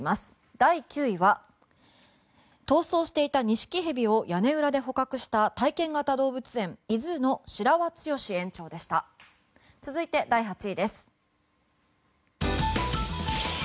第９位は逃走していたニシキヘビを屋根裏で捕獲した体験型動物園ｉＺｏｏの白輪剛史園長でした。